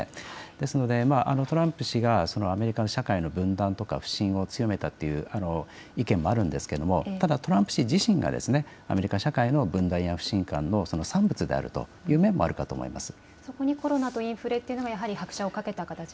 ですのでトランプ氏がアメリカの社会の分断とか不信を強めたという意見もあるんですが、ただトランプ氏自身がアメリカの社会の分断や不信感の産物であるという面もあるかと思います。